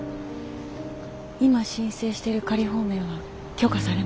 今申請してる仮放免は許可されますか？